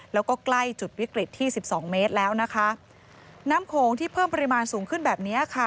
แล้วก็ใกล้จุดวิกฤตที่สิบสองเมตรแล้วนะคะน้ำโขงที่เพิ่มปริมาณสูงขึ้นแบบเนี้ยค่ะ